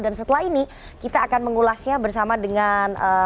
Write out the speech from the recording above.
dan setelah ini kita akan mengulasnya bersama dengan ee